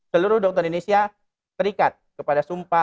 seluruh dokter indonesia terikat kepada sumpah